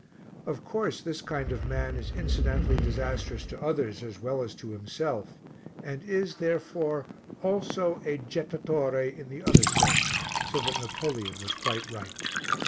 Of course, this kind of man is incidentally disastrous to others as well as to himself and is, therefore, also a jettatore in the other sense, so that Napoleon was quite right.